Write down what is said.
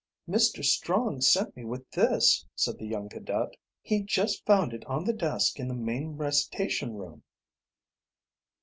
"Mr. Strong sent me with this," said the young cadet. "He just found it on the desk in the main recitation room."